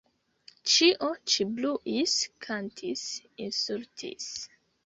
Ĉio ĉi bruis, kantis, insultis.